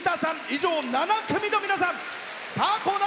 以上、７組の皆さん。